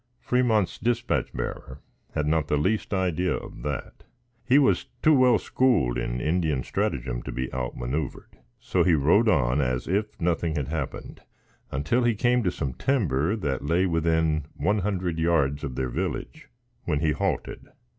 Fremont's dispatch bearer had not the least idea of that; he was too well schooled in Indian stratagem to be out manoeuvered, so he rode on as if nothing had happened until he came to some timber that lay within one hundred yards of their village, when he halted.